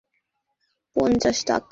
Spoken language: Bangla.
একশো পঞ্চাশ টাকা।